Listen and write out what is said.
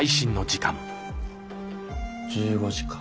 １５時か。